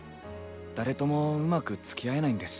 誰ともうまくつきあえないんです。